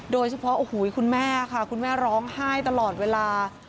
โดยเฉพาะโอ้โหคุณแม่ค่ะคุณแม่ร้องไห้ตลอดเวลา